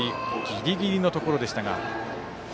ギリギリのところでしたが。